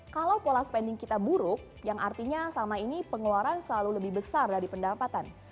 kalau pola spending kita buruk yang artinya selama ini pengeluaran selalu lebih besar dari pendapatan